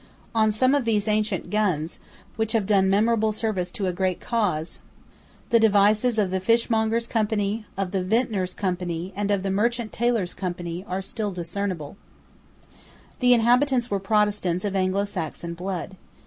On some of these ancient guns, which have done memorable service to a great cause, the devices of the Fishmongers' Company, of the Vintners' Company, and of the Merchant Tailors' Company are still discernible, The inhabitants were Protestants of Anglosaxon blood.